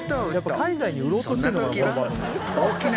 海外に売ろうとしてるのかな